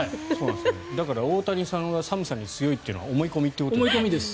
だから大谷さんが寒さに強いというのは思い込みです。